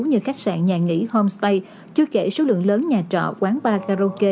như khách sạn nhà nghỉ homestay chưa kể số lượng lớn nhà trọ quán bar karaoke